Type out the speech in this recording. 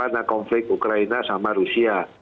karena konflik ukraina sama rusia